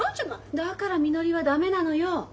だからみのりは駄目なのよ。